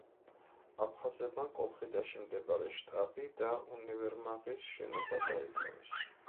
აფხაზებმა კოლხიდაში მდებარე შტაბი და უნივერმაღის შენობა დაიკავეს.